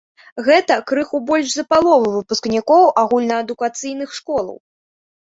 Гэта крыху больш за палову выпускнікоў агульнаадукацыйных школаў.